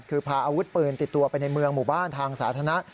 คือพาอาวุธปืนติดตัวไปในเมืองหมู่บ้านทางสาธารณะ